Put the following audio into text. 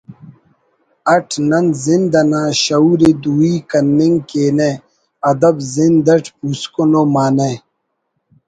اٹ نن زند انا شعور ءِ دوئی کننگ کینہ ادب زند اٹ پوسکن ءُ معنہ